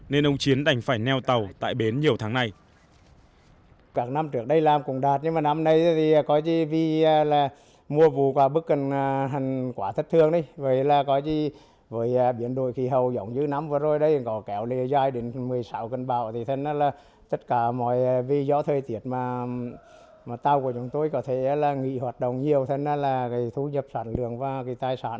nên ông chiến đành phải neo tàu tại bến nhiều tháng nay